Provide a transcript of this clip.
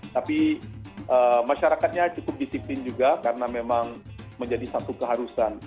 tapi masyarakatnya cukup disiplin juga karena memang menjadi satu keharusan